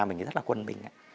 mình rất là quân bình ạ